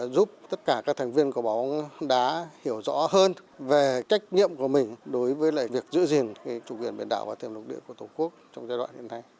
đã hiểu rõ hơn về cách nhiệm của mình đối với việc giữ gìn chủ quyền biển đảo và tiềm lục địa của tổ quốc trong giai đoạn hiện nay